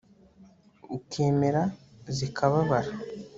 ukemera zikababara